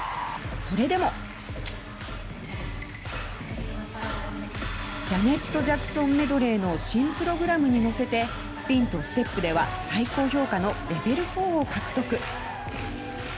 それでもジャネット・ジャクソンメドレーの新プログラムに乗せてスピンとステップでは最高評価のレベル４を獲得。